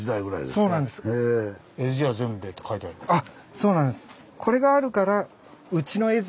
そうなんです。